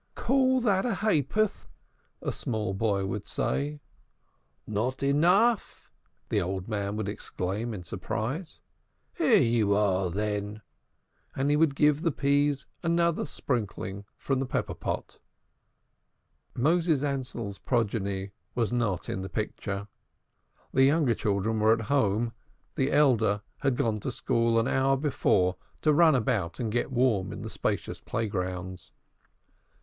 "Call that a ay puth?" a small boy would say. "Not enough!" the old man would exclaim in surprise. "Here you are, then!" And he would give the peas another sprinkling from the pepper pot. Moses Ansell's progeny were not in the picture. The younger children were at home, the elder had gone to school an hour before to run about and get warm in the spacious playgrounds.